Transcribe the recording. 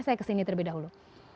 saya kesini terlebih dahulu